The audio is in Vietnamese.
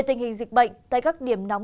thông tin các ca nhiễm mới